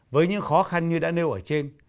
với những khó khăn như đã nêu ở trên